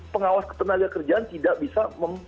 pengawas ketenaga kerjaan tidak bisa